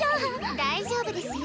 大丈夫ですよ。